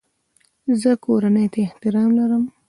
زه کورنۍ ته احترام لرم.